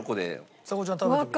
ちさ子ちゃん食べてみてよ。